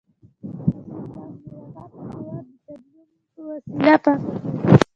او د سلطان مير اکا په باور د تيمم په وسيله يې پاکه کړو.